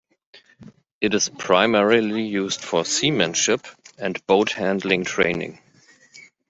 It is primarily used for seamanship and boat handling training.